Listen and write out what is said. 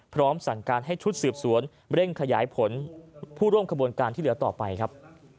พร้อมสั่งการให้ชุดสืบสวนเร่งขยายผลผู้ร่วมขบวนการที่เหลือต่อไปครับ